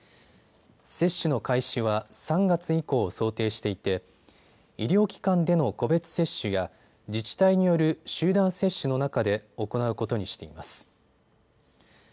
接種の開始は３月以降を想定していて医療機関での個別接種や自治体による集団接種の中で行うことにしています。